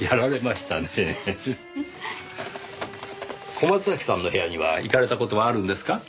小松崎さんの部屋には行かれた事はあるんですか？